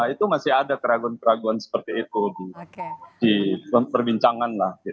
itu masih ada keraguan keraguan seperti itu di perbincangan lah